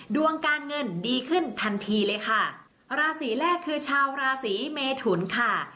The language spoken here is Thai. ดวงการเงินดีขึ้นทันทีเลยค่ะราศีแรกคือชาวราศีเมทุนค่ะ